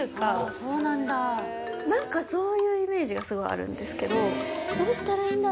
何かそういうイメージがすごいあるんですけど。